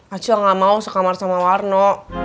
acil gak mau sekamar sama warno